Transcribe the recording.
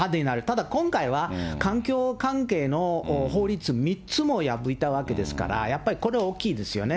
ただ今回は環境関係の法律、３つも破ったわけですから、やっぱりこれ大きいですよね。